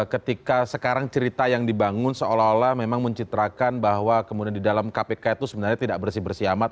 ketika sekarang cerita yang dibangun seolah olah memang mencitrakan bahwa kemudian di dalam kpk itu sebenarnya tidak bersih bersih amat